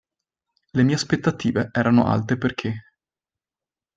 Le mie aspettative erano alte perché.